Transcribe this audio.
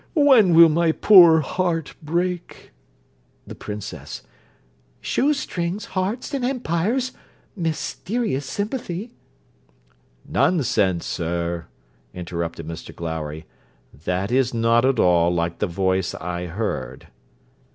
When will my poor heart break?' THE PRINCESS. 'Shoe strings, hearts, and empires! Mysterious sympathy!' 'Nonsense, sir,' interrupted Mr Glowry. 'That is not at all like the voice I heard.'